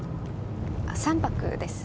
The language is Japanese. ３泊です。